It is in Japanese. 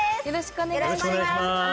よろしくお願いします